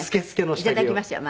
「いただきましたよ。